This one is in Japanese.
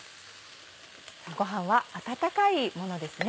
ご飯は温かいものですね。